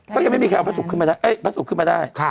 ก็ยังไม่มีใครเอาพระศูกรขึ้นมาได้